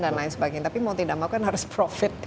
dan lain sebagainya tapi mau tidak mau kan harus profit